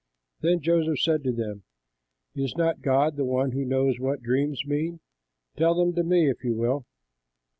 Then Joseph said to them, "Is not God the one who knows what dreams mean? Tell them to me, if you will."